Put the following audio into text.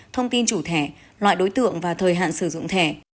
thông tin chủ thẻ loại đối tượng và thời hạn sử dụng thẻ